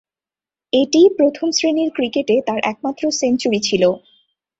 এটিই প্রথম-শ্রেণীর ক্রিকেটে তার একমাত্র সেঞ্চুরি ছিল।